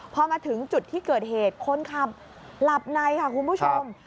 พอมาถึงจุดที่เกิดเหตุคนขับหลับในค่ะคุณผู้ชม